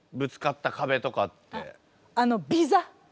あのビザ。